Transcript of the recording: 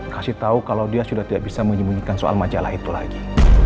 kasih tahu kalau dia sudah tidak bisa menyembunyikan soal majalah itu lagi